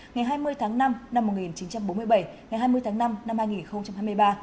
ngày hai mươi tháng năm năm một nghìn chín trăm bốn mươi bảy ngày hai mươi tháng năm năm hai nghìn hai mươi ba